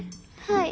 はい。